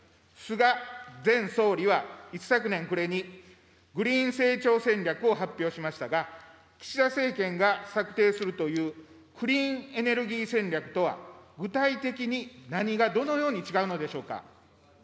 菅前総理は一昨年暮れに、グリーン成長戦略を発表しましたが、岸田政権が策定するというクリーンエネルギー戦略とは、具体的に何がどのように違うのでしょうか。